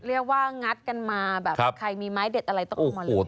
ก็เรียกว่างัดกันมาแบบใครมีไม้เด็ดอะไรต้องมาเลย